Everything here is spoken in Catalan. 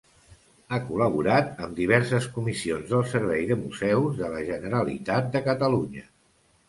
Ha col·laborat amb diverses comissions del Servei de Museus de la Generalitat de Catalunya.